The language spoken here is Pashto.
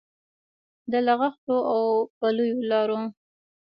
د لښتيو او پلیو لارو